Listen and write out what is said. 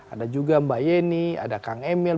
ada juga mbak yeni ada kang emil